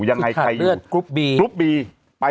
ยังไงใครอยู่กรุปบี